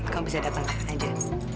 kamu bisa datang aja